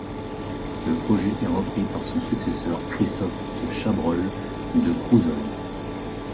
Le projet est repris par son successeur, Christophe de Chabrol de Crouzol.